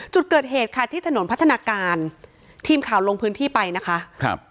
จุดเกิดเหตุค่ะที่ถนนพัฒนาการทีมข่าวลงพื้นที่ไปนะคะครับ